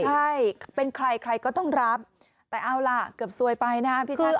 ใช่เป็นใครใครก็ต้องรับแต่เอาล่ะเกือบซวยไปนะพี่ชัด